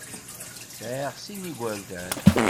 Sɛiɣ sin n yigerdan.